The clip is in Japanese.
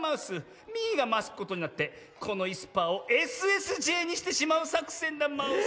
ミーがマスコットになってこのいすパーをＳＳＪにしてしまうさくせんだマウス。